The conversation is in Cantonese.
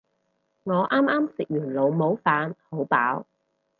我啱啱食完老母飯，好飽